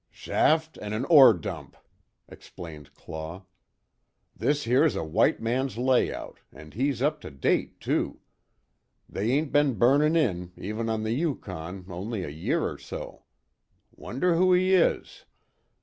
"Shaft, an' an ore dump," explained Claw. "This here's a white man's layout, an' he's up to date, too. They ain't be'n burnin' in, even on the Yukon, only a year or so. Wonder who he is?"